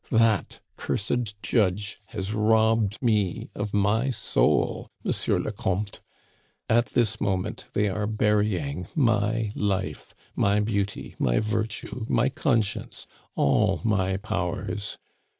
That cursed judge has robbed me of my soul, Monsieur le Comte! At this moment they are burying my life, my beauty, my virtue, my conscience, all my powers!